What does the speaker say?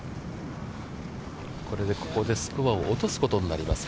これでここでスコアを落とすことになります。